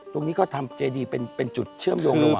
ตรงนี้ก็ทำเจดีเป็นจุดเชื่อมโยงระหว่าง